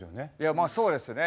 まあそうですね。